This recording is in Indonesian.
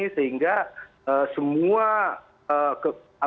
sehingga semua kekuatan